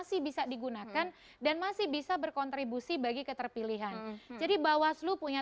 yah rsekamen dapat mel gradient pemeluk dari buatan misalnya